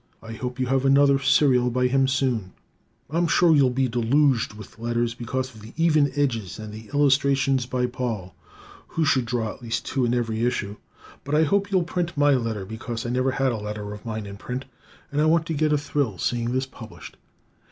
I hope you have another serial by him soon. I'm sure you'll be deluged with letters because of the even edges and the illustrations by Paul (who should draw at least two in every issue), but I hope you'll print my letter, because I never had a letter of mine in print, and want to get a thrill seeing this published.